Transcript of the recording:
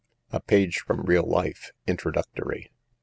A PAGE FROM REAL LIFE — INTRODUCTORY.